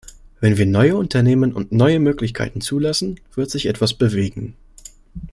Wenn wir neue Unternehmen und neue Möglichkeiten zulassen, wird sich etwas bewegen.